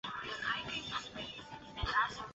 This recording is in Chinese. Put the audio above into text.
现任中华开发工业银行常务董事兼总经理。